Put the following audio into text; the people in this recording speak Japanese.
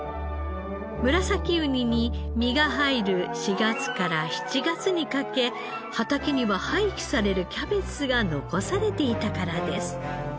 ムラサキウニに身が入る４月から７月にかけ畑には廃棄されるキャベツが残されていたからです。